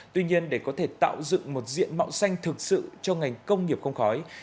tuy nhiên để có thể tạo dựng một diện mạo xanh thực sự cho ngành công nghiệp không khói